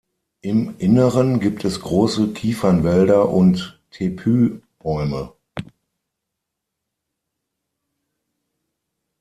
Im Inneren gibt es große Kiefernwälder und Tepü-Bäume.